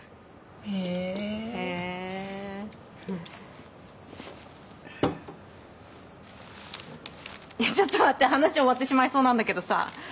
へえーへえーちょっと待って話終わってしまいそうなんだけどさ